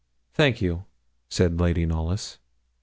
'Thank you,' said Lady Knollys.